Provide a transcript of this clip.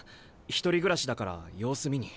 独り暮らしだから様子見に。